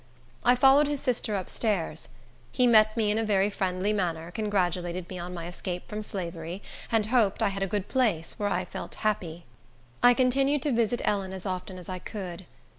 I followed his sister up stairs. He met me in a very friendly manner, congratulated me on my escape from slavery, and hoped I had a good place, where I felt happy. I continued to visit Ellen as often as I could.